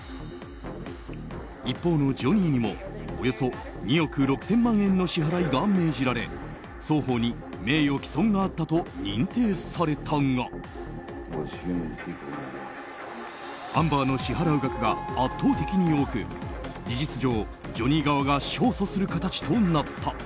一方のジョニーにもおよそ２億６０００万円の支払いが命じられ双方に名誉毀損があったと認定されたがアンバーの支払う額が圧倒的に多く事実上、ジョニー側が勝訴する形となった。